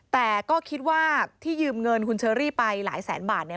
แต่ก็คิดว่าที่ยืมเงินคุณเชอรี่ไปหลายแสนบาทเนี่ย